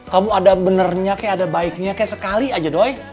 kamu ada benarnya kayak ada baiknya kayak sekali saja doi